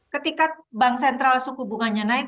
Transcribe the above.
ketika bank sentral suku bunganya naik